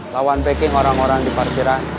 lawan packing orang orang di parkiran